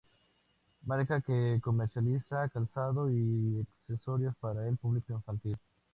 Marca que comercializa calzado y accesorios para el público infantil.